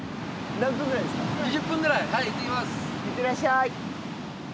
２０分ぐらい。